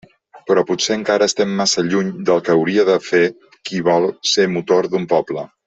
Però potser encara estem massa lluny del que hauria de fer qui vol ser motor d'un poble.